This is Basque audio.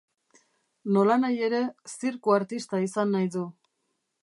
Nolanahi ere, zirku-artista izan nahi du.